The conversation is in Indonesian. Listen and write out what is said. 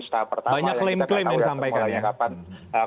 setahap pertama yang kita tahu